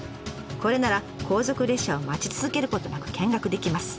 これなら後続列車を待ち続けることなく見学できます。